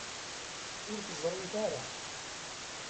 Ur t-ẓrint ara.